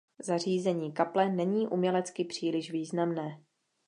Zařízení kaple není umělecky příliš významné.